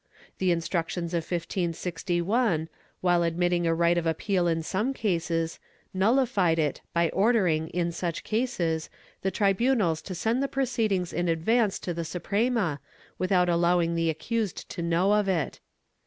The Instructions of 1561, while admitting a right of appeal in some cases, nulhfied it by ordering, in such cases, the tribunals to send the proceedings in advance to the Suprema, without allowing the accused to know of it.